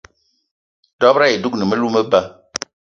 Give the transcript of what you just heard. Dob-ro ayi dougni melou meba.